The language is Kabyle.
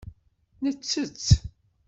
Nettett.